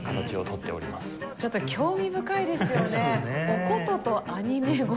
お箏とアニメ声。